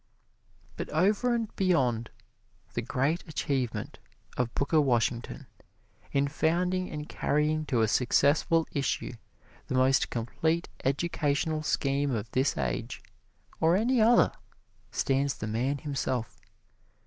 But over and beyond the great achievement of Booker Washington in founding and carrying to a successful issue the most complete educational scheme of this age, or any other, stands the man himself.